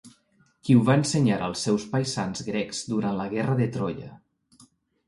Qui ho va ensenyar als seus paisans grecs durant la guerra de Troia.